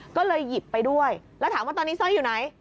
ก็เลยหยิบไปด้วยแล้วถามว่าตอนนี้สร้อยอยู่ไหน